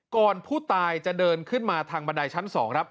ก่อนผู้ตายจะเดินขึ้นมาทางบันไดชั้น๒ครับ